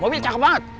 mobilnya cakep banget